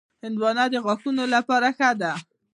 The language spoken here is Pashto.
هندوانه د غاښونو لپاره ښه ده.